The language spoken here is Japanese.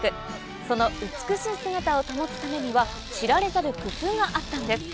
その美しい姿を保つためには知られざる工夫があったんです。